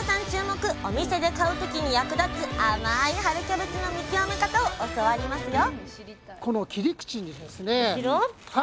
お店で買う時に役立つ甘い春キャベツの見極め方を教わりますよ！